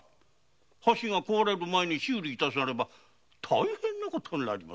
橋が壊れる前に修理致さねば大変なことになりますぞ。